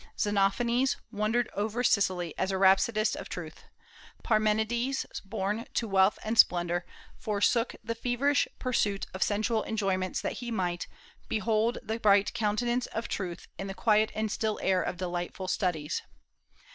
Xenophanes wandered over Sicily as a rhapsodist of truth. Parmenides, born to wealth and splendor, forsook the feverish pursuit of sensual enjoyments that he might "behold the bright countenance of truth in the quiet and still air of delightful studies."